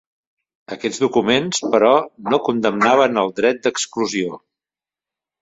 Aquests documents, però, no condemnaven el dret d'exclusió.